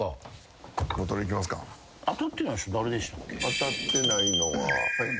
当たってないのは。